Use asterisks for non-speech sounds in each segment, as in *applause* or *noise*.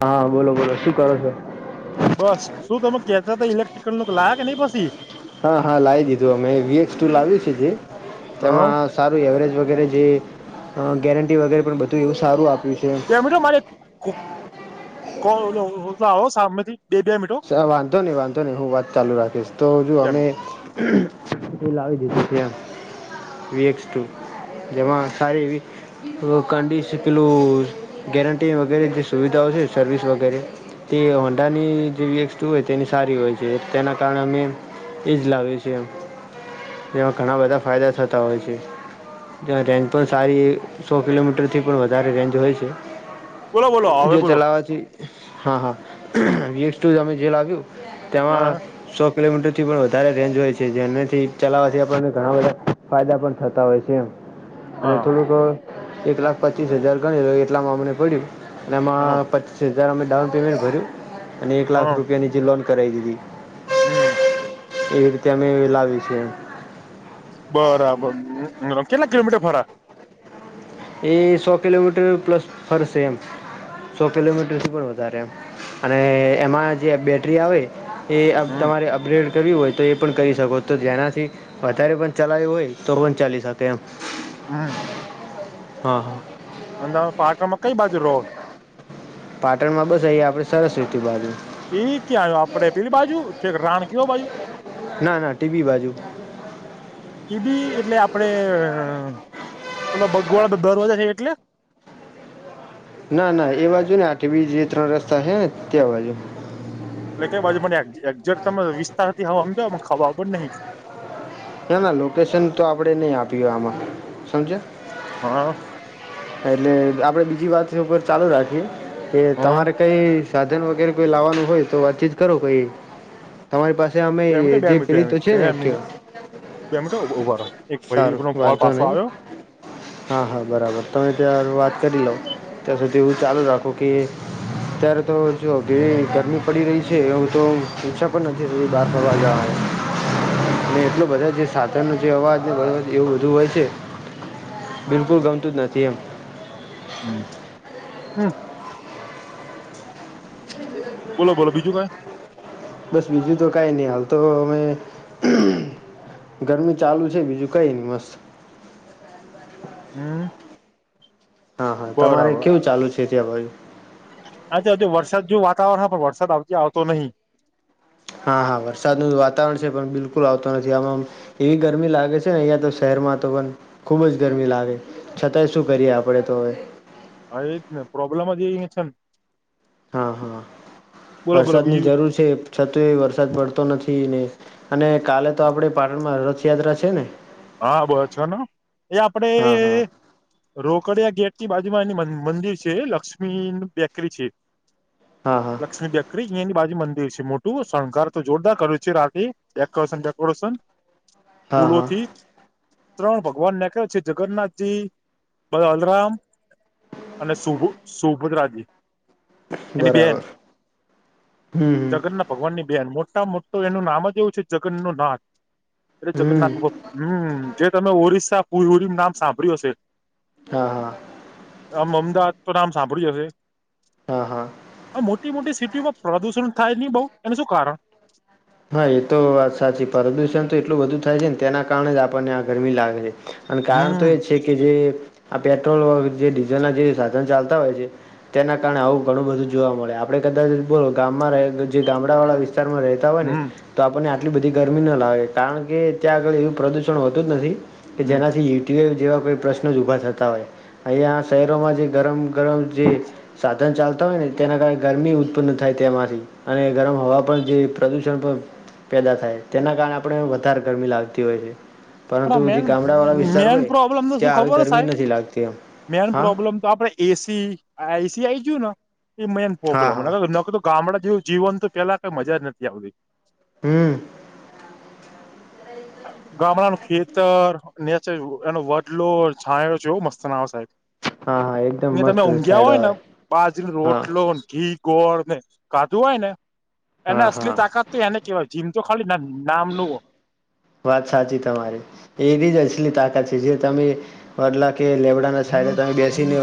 હા બોલો બોલો શું કરો છો? બસ શું તમે કેતા તો ઇલેક્ટ્રિકલ નુ લાયા કે નઈ પછી? હા હા લાવી દીધું અમે વીએક્સ ટુ લાવી છે જે હા તેમાં એવરેજ વગેરે જે ગેરંટી વગેરે પણ બધું એવું સારું આપ્યું છે. બે મિનટો મારે *unintelligible* આવ સામેથી બે બે મિનટ વાંધો નહી વાંધો નહી હુ વાત ચાલુ રાખીશ તો જો બે અમે મિનિટ એ લાવી દીધું છે વીએક્સ ટુ જેમાં સારી એવી કડિ પેલું ગેરંટી વગેરે જે સુવિધાઓ છે સર્વિસ વગેરે તે હોંડાની વસ્તુ હોય તેની સારી હોય છે તેના કારણે અમે એજ લાવ્યું છે. એમાં ઘણા બધા ફાયદા થતા હોય છે. ત્યાં રેન્જ પણ સારી સો કિલોમીટરથી પણ વધારે રેન્જ હોય છે. બોલો બોલો હવે જે બોલો ચલાવાથી હા હા વસ ટુ અમે જે લાવ્યું તેમાં હા સો કિલોમીટર થી પણ વધારે રેન્જ હોય છે જેનાથી ચલાવવાથી આપણને ઘણા બધા ફાયદા પણ થતા હોય છે. અને હા થોડુંક એક લાખ પચીસ હજાર ગણી રહ એટલામાં અમને પડ્યું હા એમાં પચીસ હજાર અમે ડાઉન પેમેન્ટ ભર્યું અને એક લાખ હા રૂપિયાની જે લોન કરાવી દીધી હમ એવી રીતે અમે એ લાવી છે. બરાબર કેટલા કિલોમીટર ફરા એ સો કિલોમીટર પ્લસ ફરશે એમ સો કિલોમીટર સુર *unintelligible* અને એમાં જે બેટરી આવે એ હમ તમારે અપગ્રેડ કર્યું હોય તો એ પણ કરી શકો તો જેનાથી વધારે પણ ચલાયુ હોય તો રોજ ચાલી શકે એમ હા હા હા અંદ પાટણ માં કઈ બાજુ રો? પાટણ માં બસ અહીયા આપડે સરસવતી બાજુ એ ક્યાં આયુ આપડે પેલી બાજુ ઠેક રાણકી વાવ બાજુ ના ના ટીબી બાજુ એ બી એટલે આપડે પેલા બગવાડા તો દરવાજા છે એટલે ના ના એ બાજુ ન આ ટીબી જે ત્રણ રસ્તા હે ને તે બાજુ એટલે કઈ બાજુ મને એકજેટ તમે વિસ્તાર થી હવા ખવ પણ નહીં. ના ના લોકેશન તો આપણનેય આપ્યું આમાં સમજ્યા હ. એટલે આપડે બીજી વાતની ઉપર ચાલુ રાખીએ કે હા તમારે કઈ સાધન વગેરે કોઈ લાવવાનું હોય તો વાતચીત કરો કઈ તમારી પાસે બે આમેય મિનિટ બે જે મિનિટ બે પેલી તો મિનિટ છે બે ને મિનિટ એક્ટિવા બે મિનીટ હો ઉભા તો એક સારું ભાઈનો કોલ વાંધો પાછો નહીં આવ્યો હા હા બરાબર તમે ત્યાં હારુ વાત કરી લોવ ત્યાં સુધી એવું ચાલુ રાખો કે અત્યારે તો જો કેવી ગરમી પડી રહી છે હવે તો ઈચ્છા પણ નથી થતી બહાર ફરવા જવાની. હ અને એટલો બધો જ સાધન નો જે અવાજ અને એવું બધું હોય છે બિલકુલ ગમતું જ નથી એમ હમ્મ બોલો બોલો બીજુ કંઈ બસ બીજું તો કાંઈ નહી હાલ તો અમે ગરમી ચાલુ છે બીજું કઈ નહી મસ્ત. હમ્મ. હા હા તમારે કેવું ચાલુ છે ત્યાં ભાઈ હાચે્ આજે વરસાદ જેવુ વાતાવરણ છે પણ વરસાદ આવતી આવતો નહિ. હા હા વરસાદનું વાતાવરણ છે પણ બિલકુલ આવતો નથી આમાં એવી ગરમી લાગે છે કે અહીંયા તો શહેરમાં તો પણ, ખૂબ જ ગરમી લાગે છતાંય શું કરીએ આપણે તો હવે હા એ જ ને પ્રોબ્લેમ જ *unintelligible* હા હા બોલો બોલો વરસાદની બીજું જરૂર છે છતાંય વરસાદ પડતો નથી ને અને કાલે તો આપણે પાટણમાં રથયાત્રા છે ને હા બ છેને એ આપડે હા હા રોકડીિયા ગેટની બાજુમાં એની મંદિર છે લક્ષ્મી બેકરી છે. હા હા લક્ષ્મી બેક રી ની બાજુ મંદિર છે મોટું શણગાર તો જોરદાર કર્યું છે રાતે ડેકોરેશન ડેકોરેશન હા હા ફૂલોથી ત્રણ ભગવાન નાખ્યા છે, જગન્નાથજી, બલરામ અને સુભુ સુભદ્રાજી એની બેન, બરાબર હમ હમ જગન્ના ભગવાન ની બેહેન મોટા મોટું એનું નામ જ એવું છે જગન્ નો નાથ એટલે હમ જગન્નાથ હમ જે તમે ઓરિસ્સા પુલહુરી નામ સાંભળ્યું હશે. હા હા. આમ અમદાવાદ તો નામ સાંભળ્યું હશે. હા હા. આ મોટી મોટી સિટીઓમાં પ્રદુષણ થાય જ નહી બહુ એનું શું કારણ હા એ તો વાત સાચી પ્રદુષણ તો એટલું બધુ થાય છે ને તેના કારણે જ આપણને આ ગરમી લાગે છે. અને કારણ તો હમ એજ છે કે જે આ પેટ્રોલ જે ડીઝલ ના જે સાધન ચાલતા હોય છે. તેના કારણે આવું ઘણું બધું જોવા મળે આપણે કદાચ જો ગામમાં રહે જે ગામડાવાળા વિસ્તારમાં રે તા હોય ને હમ તો આપણને આટલી બધી ગરમી ન લાગે કારણ કે ત્યાં આગળ એવું પ્રદુષણ હોતું જ નથી કે હમ જેનાથી *unintelligible* જેવા કોઈ પ્રશ્નો જ ઊભા થતા હોય અહીંયા શહેરોમાં જે ગરમ ગરમ જે સાધન ચાલતા હોય ને તેના કારણે ગરમી ઉત્પન્ન થાય તેમાંથી અને ગરમ હવા પણ જે પ્રદુષણ પણ પેદા થાય તેના કારણે આપણે વધારે ગરમી લાગતી હોય છે. પણ પરંતુ આ જે મેન ગામડાવાળા વિસ્તાર મેન હોય, પ્રોબ્લેમ તો શું ત્યાં આવી ખબર ગરમી સાહેબ નથી લાગતી, એમ. મેન હા. પ્રોબ્લેમ તો આપડે એસી આ, એસી આવી ગયું ને, એ મેન હા પ્રોબ્લેમ હા નકર તો. ગામડા જેવું જીવન તો, પેહલા કંઈ મજા જ નતી આવતી. હમ. ગામડા નું ખેતર નેય એનો વડલો છાંયો જેવો મસ્ત ના આવે, સાહેબ! હા હા એકદમ એ તમે મસ્ત ઊંઘ્યા છાયડો હોય ને, આવે બાજરી, હા રોટલો, ઘી. ગોળ ને કાધું હોય ને, એને હા હા અસલી તાકાત તો એને કેહેવાય જીમ તો ખાલી નામનું હોય. વાત સાચી, તમારી. એવી જ અસલી તાકાત છે, જે તમે વડલા કે લેબડાને સાઈડે તમે બેસીને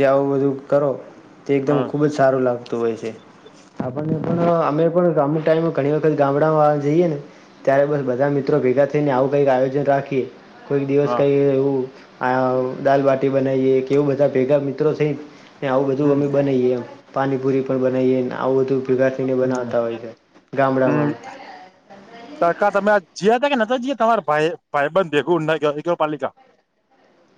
જે આવું બધું કરો. તે એકદમ હા ખૂબ જ સારું લાગતું હોય છે. આપણને પણ અમે પણ ટાઈમ ઘણી વખત ગામડામાં જઈએ ને, ત્યારે બસ, બા બધા મિત્રો ભેગા થઈને આવું કઈક આયોજન રાખીએ, કોઈક દિવસ હા કઈ એવું આ દાલ-બાટી બનાવીએ, કેવું? બધા ભેગા મિત્રો થઈને આવું બધું હમ અમે બનાવીએ એમ. પાણીપુરી પણ બનાવીએ ને. આવું બધું ભેગા થઈને બનાવતા હોય છે હમ ગામડામાં. સરકાર, તમે જ હતા કે ન? જી, તમારે ભાઈ ભાઈ બંધ દેખું પાલિકા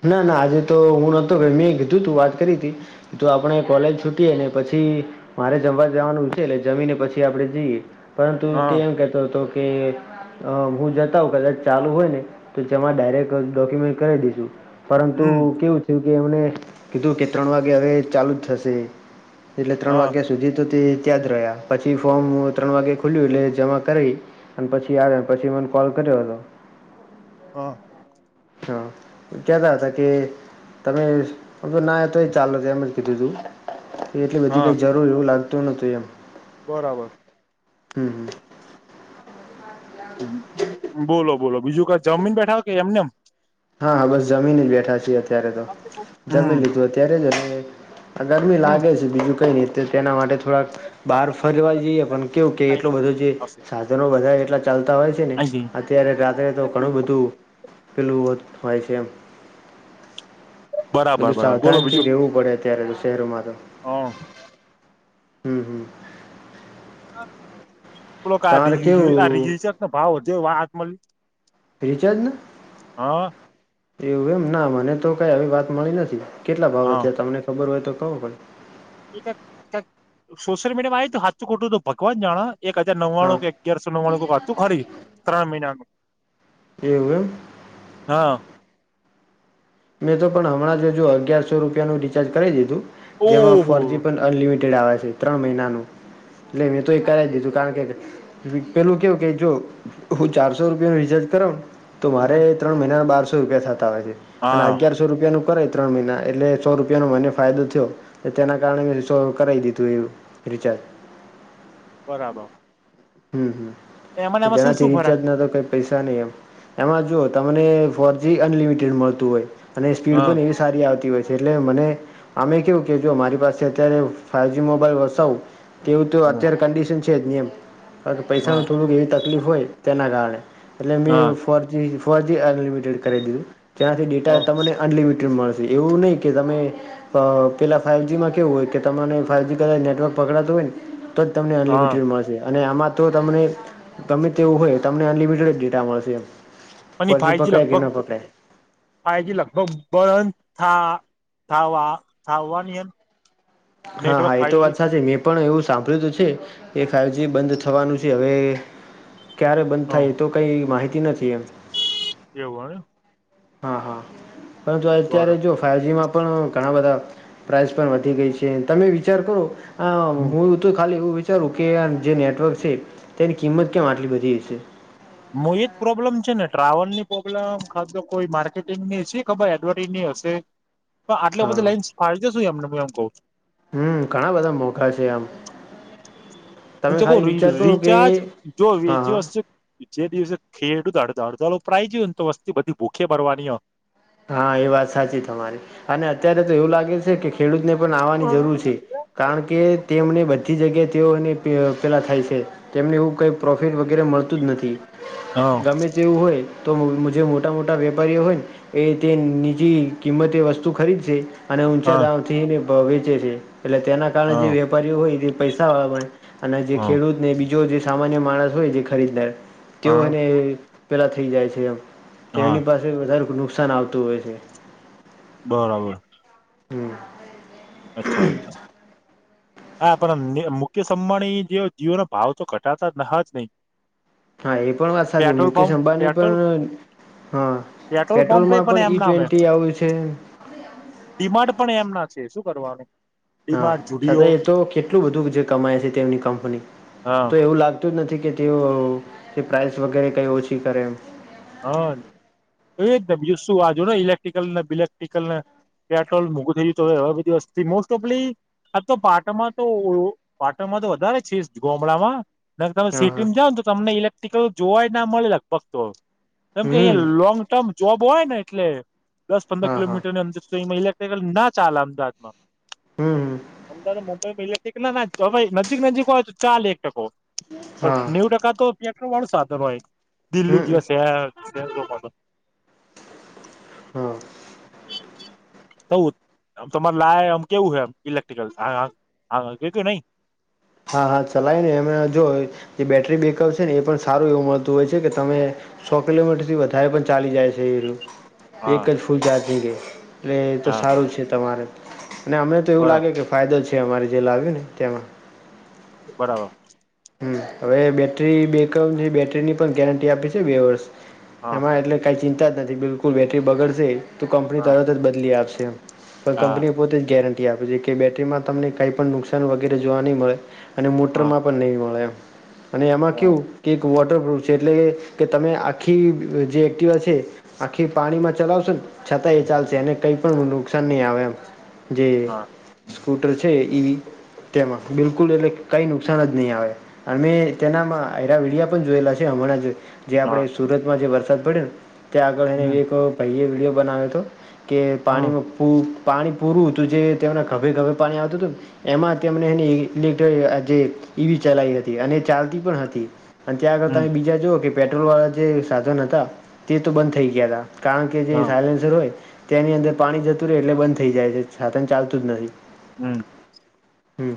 ના, ના, આજે તો હું નોતો. મેં કીધું તું વાત કરી હતી. તો આપણે કોલેજ છૂટીએ ને પછી મારે જમવા જવાનું છે, એટલે જમીને પછી આપણે જઈએ. પરંતુ તે હા એમ કેહેતો હતો. કે અ હું જતા આઉ કદાચ, ચાલુ હોય ને, તો તેમાં ડાયરેક્ટ ડોક્યુમેન્ટ કરી દઈશુ. પરંતુ હમ કેવું થયું કે એમને કીધું કે, ત્રણ વાગે હવે ચાલુ જ થશે. એટલે ત્રણ હા વાગ્યા સુધી તો તે ત્યાં જ રહ્યા. પછી ફોર્મ ત્રણ વાગ્યા ખુલ્યું, એટલે જમા કરાવ અને પછી આવે પછી મને કોલ કર્યો હતો. હા. હા. કેતા હતા કે, તમે તો ના તો એ ચાલો, તો એમ જ કીધું તું. તે એટલી બધી હા કંઈ જરૂર એવું લાગતું નહતું એમ. બરાબર. હમ, હ. બોલો, બોલો. બીજું કંઈ? જમીને બેઠા હોય કે એમને એમ? હા, હા, બસ જમીને જ બેઠા છીએ અત્યારે તો. જમીને હમ લીધું અત્યારે જ અમે. આ ગરમી હમ લાગે છે, બીજું કંઈ નહીં. તે તેના માટે થોડાક બહાર ફરવા જઈએ પણ કેવું કે એટલો બધું જે આવશે. સાધનો, બધા એટલા ચાલતા હોય. ને અત્યારે રાત્રે તો ઘણું બધું પેલું હતું. હોય છે, એમ બરાબર બધું બરાબર બોલો સાવધાનથી રહેવું પડે અત્યારે. શહેરમાં. હા. હમ, હમ. લો, આ તમારે રી આ કેવું રીઝ છેક ને, ભાવ જો હાત મળ રિચારજને એવું? એમ ના મને તો કંઈ આવી વાત મળી નથી. કેટલા ભાવો હા છે, તમને ખબર હોય તો કહો પણ. સોશિયલ મીડિયામાંય તો હાથું ખોટું તો ભગવાન જાણે, એક હજાર હા નવ્વાણું કે અગિયારસો નો મા તું ખરી ત્રણ મહિના ના. એવું એમ. હા. મેં તો પણ હમણાં જજુ અગિયારસો રૂપિયાનું રિચાર્જ કરી દીધું, જેમાં ઓહો ફોર-જી પણ અનલિમિટેડ આવે છે ત્રણ મહિનાનું, એટલે મેં તો એ કરાવી દીધું, કારણ કે પેલું કેવું કે, જો હું ચારસો રૂપિયા ન રિચાર્જ કરાવું ને તો મારે ત્રણ મહિનાના બારસો રૂપિયા થતા હોય છે, આ હા અગિયારસો સો રૂપિયા નું કરે ત્ર મહિના એટલે સો રૂપિયાનો મને ફાયદો થયો. તેના કારણે મે કરાવી દીધું એવું રિચાર્જ. બરાબર હમ્મ એમાંને હ એમાં જેના શું થી શું ફરક રિચાર્જ નતો કઈ પૈસા નહી, એમ એમાં જો તમને ફોર જી અનલિમિટેડ મળતું હોય અને સ્પીડ હા પણ એ સારી આવતી હોય છે એટલે મને અમે કવું કે જો મારી પાસે અત્યારે ફાઈવજી મોબાઈલ વસાવું. તેવું તો હા અત્યારે કંડિશન છે જ નિ એમ કારણ કે હા પૈસાનું થોડુંક એવી તકલીફ હોય તેના કારણે એટલે બે હા ફોરજી ફોર જી અનલિમિટેડ કરી દીધું, ત્યાનાથી ડેટા તમને અનલિમિટેડ મળશે એવું નહી કે તમે પેલા ફાઈવજી માં કેવું હોય, કે તમારે ફાઈવજી કરતા નેટવર્ક પકડાતું હોય ને તો જ તને હા અનલિમિટેડ અને આમાં તો તમને ગમે તેવું હોય તમને અનલિમિટેડ ડેટા મળશે. અને ફોર જી ફાઈજી પકડાય કે ન લગભગ *unintelligible* પકડાય પાજી લગભ બળ થા *unintelligible* હા નેટવર્ક હા એ તો ફાઈવજી વાત સાચી મેં પણ એવું સાંભળ્યું હતું છે કે, ફાઈવજી બંધ થવાનું છે હવે ક્યારે બંધ હ થાય એ તો કંઈ માહિતી નથી એમ એવું હોય હા હા પરંતુ બરો અત્યારે જો ફાઇવ જીમાં પણ ઘણા બધા પ્રાઇસ પણ વધી ગઈ છે, તમે વિચાર કરો આ હું હું તો ખાલી એવું વિચારું કે આ જે નેટવર્ક છે,. તેની કિંમત કેમ આટલી વધી જશે. હ એજ પ્રોબ્લેમ છે ને ટ્રાવેલ ની પ્રોબ્લેમ, ખાધો કોઈ માર્કેટિંગ ની ઈ એડવર્ટઝની હશે, તો આટલો બધું હા લાઈન્સ ફાળજ શું એમને હ એમ કઉ હમ્મ ઘણાં બધાં મોંઘા છે એમ હું કે રિચાર્જ જો હા હા બીજી જે દિવસે ખેડૂત અડધ અડધા પ્રરાય જોય ને તો વસ્તી બધી ભૂખે ભરવાની હો. હા એ વાત સાચી તમારી, અને અત્યારે તો એવું લાગે છે કે ખેડૂત ને આવવાની હ જરૂર છે, કારણ કે તેમને બધી જગ્યા તેઓને પેલા થાય છે, તેમને એવું કઈ પ્રોફિટ વગેરે મળતું જ નથી, હા ગમે જેવું હોય, તો જે મોટા મોટા વેપારીઓ હોય ને એ તે નીજી કિંમતે વસ્તુ ખરીદશે, અને ઊંચા હા દામ થીને વેચે છે, એટલે તેના કારણે જે હા વેપારીઓ હોય એ પૈસા વાળા અને જે હા ખેડૂતને બીજો જે સામાન્ય માણસ હોય જે ખરીદનાર, હા તેઓને પેલાં થઈ જાય છે એમ, તો હા એમની પાસે વધારે નુકસાન આવતું હોય છે. બરાબર. હમ્મ. અચ્છા અચ્છા. હા પણ મુકેશ અંબાણી જે જીવોનો ભાવ તો ઘટાતા ના જ નહી. હા એ પણ વાત સાચી petrol Mukesh pump Ambani petrol પણ હા પેટ્રોલ પંપે પેટ્રોલમાં પણ ઈ ટ્વેન્ટી આવ્યું છે. ડિમાન્ડ પણ એમના છે શું કરવાનું? હા ડિમાર્ડ છતાં જુડિયો એ તો કેટલું બધું જે કમાય છે તેમની કંપની, હા તો એવું લાગ તું નથી કે તેઓ તે પ્રાઇસ વગેરે કંઈ ઓછી કરે એમ. હા એ જ બીજું શું વાજુ ને ઇલેક્ટ્રિકલ ને બિલેક્ટ્રિકલ ને. પેટ્રોલ મોઘું થઈયું હવે બધી વસ્તુથી મોસ્ટ ઓફલી હા તો પાટણમાં તો પાટણમાં તો વધારે છે, ગમળામાં ના તમે હા સિટી હા માં જાાવને તો તમને ઇલેક્ટ્રિકલ જોવા જ ના મળે લગભગ તો. કેમ કે હમ અહીયા લોંગ ટર્મ જોબ હોય ને એટલે દસ પંદર હા હા કિલોમીટરની અંદર ના ચાલે અમદાવાદમાં હમ હમ અમદાવાદમાં મોટા ઈલેક્ટ્રીક ના નાખ તો ભાઈ નજીક નજીક હોય તો ચાલે એક ટકો. હા પણ નેવું ટકા તો પેટ્રોલવાળું જ સાધન હોય. દિલ્હી હમ જેવા શહેર શહેરોમાં તો હા તું આમ તમારે લાયા આમ કેવું હે આમ ઇલેક્ટ્રિકલ હા હાંકયુ કે નહીં? હા હા ચલાઈને એમે જો જે બેટરી બેકઅપ છે ને એ પણ સારું એવું મળતું હોય છે કે તમે સો કિલોમીટરથી વધારે પણ ચાલી જાય છે એ રયુ. હા એક જ ફૂલ ચાઢી રે એટલે એ તો હા સારું છે તમારે અને અમને તો એવું બરા લાગે કે ફાયદો છે અમારે જે લાવ્યો ને તેમાં. બરાબર. હમ હવે બેટરી બેકઅપ જે બેટરીની પણ ગેરંટી આપી છે બે વર્ષ હા એમાં એટલે કાંઈ ચિંતા જ નથી બિલકુલ બેટરી બગડશે તો કંપની હા તરત જ બદલી આપશે એમ. પણ હા કંપનીએ પોતે જ ગેરંટી આપે છે કે બેટરીમાં તમને કાઈ પણ નુકસાન વગેરે જોવા નહી મળે. અને હા મોટરમાં પણ નહીં મળે એમ. અને એમાં હા કેવું કે વોટરપ્રૂફ છે એટલે કે કે તમે આખી જે એક્ટિવા છે. આખી પાણીમાં ચલાવશો ને છતાં એ ચાલશે એને કઈ પણ નુકસાન નહી આવે એમ. જે હા સ્કૂટર છે ઈ તેમાં બિલકુલ એટલે કઈ નુકસાન જ નહીં આવે. અમે તેનામાં આય રયા વિડિયા પણ જોયેલા છે હમણાં જ જે હા આપણે સુરતમાં જે વરસાદ પડ્યો ને ત્યાં આગળ હમ એક ભઈએ વિડીયો બનાવ્યો તો. કે હમ પાણીમાં પૂક પાણી પૂરું હતું જે તેમના ખભે ખભે પાણી આવતું તું ને એમાં તેમને એની ઇલેક્ટ્રિક અ જે ઈવી ચલાઈ હત તી અને ચાલતી પણ હતી અને ત્યાં આગળ હમ તમે બીજા જુઓ કે પેટ્રોલવાળા જે સાધન હતા તે તો બંધ થઈ ગયા તા. કારણ કે જે હા સાયલેન્સર હોય તેની અંદર પાણી જતું રે એટલે બંધ થઈ જાય છે. સાધન ચાલતું જ નથી. હમ હમ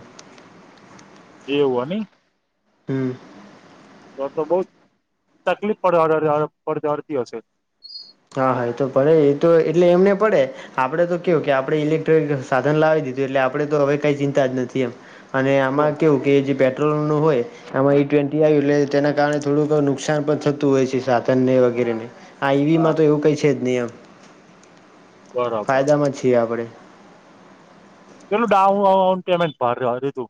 એવો નહીં? હમ તો તો બઉ જ તકલીફ પડ હડ *inaudible* પડતી હશે. હા હા એ તો પડે એ તો એટલે એમને પડે આપડે તો કેવું કે આપડે ઇલેક્ટ્રોનિક સાધન લાવી દીધું એટલે આપણે તો હવે કઈ ચિંતા જ નથી એમ. અને તો આમાં કેવું કે જે પેટ્રોલનું હોય. આમાં ઈ ટ્વેન્ટી આયું એટલે તેના કારણે થોડુંક નુકસાન પણ થતું હોય છે સાધનને વગેરે ને. આ ઈવીમાં હા તો એવું કંઈ છે જ નહીં એમ. બરાબર ફાયદામાં છીએ આપણે. કેટલું ડાઉન પેમેન્ટ ભર હર દીધું?